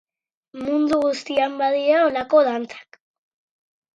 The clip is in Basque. Mundu guztian badira holako dantzak.